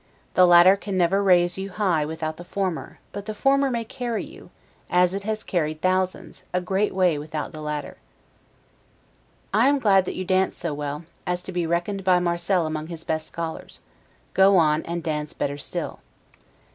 The latter can never raise you high without the former; but the former may carry you, as it has carried thousands, a great way without the latter. I am glad that you dance so well, as to be reckoned by Marcel among his best scholars; go on, and dance better still.